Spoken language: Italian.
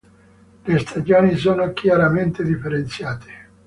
Le stagioni sono chiaramente differenziate.